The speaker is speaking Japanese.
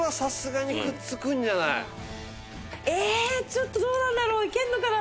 ちょっとどうなんだろう？いけるのかな？